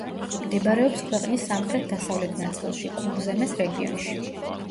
მდებარეობს ქვეყნის სამხრეთ-დასავლეთ ნაწილში, კურზემეს რეგიონში.